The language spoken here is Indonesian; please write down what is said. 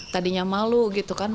tadinya malu gitu kan